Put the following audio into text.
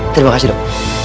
terima kasih dok